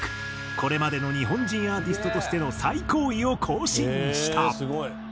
これまでの日本人アーティストとしての最高位を更新した。